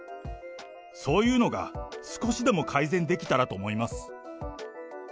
そういうのが少しでも改善できたらと思います。